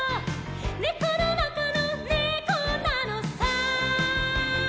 「ねこのなかのねこなのさ」